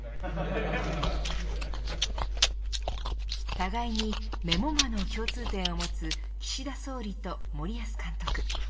互いにメモ魔の共通点を持つ岸田総理と森保監督。